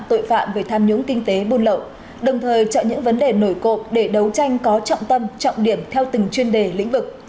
tội phạm về tham nhũng kinh tế buôn lậu đồng thời chọn những vấn đề nổi cộng để đấu tranh có trọng tâm trọng điểm theo từng chuyên đề lĩnh vực